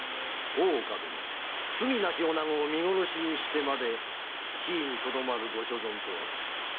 大岡殿罪なきおなごを見殺しにしてまで地位にとどまるご所存とは。